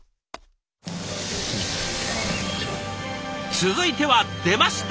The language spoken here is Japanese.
続いては出ました！